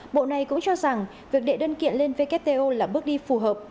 bộ này cũng cho rằng việc đệ đơn kiện lên wto là bước đi phù hợp